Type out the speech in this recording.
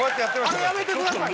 あれやめてくださいよ